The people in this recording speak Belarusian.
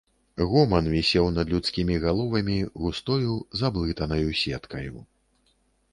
Гоман вісеў над людскімі галовамі густою, зблытанаю сеткаю.